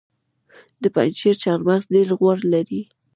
د پنجشیر چهارمغز ډیر غوړ لري.